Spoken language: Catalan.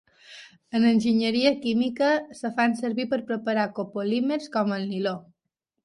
En enginyeria química es fan servir per preparar copolímers com el niló.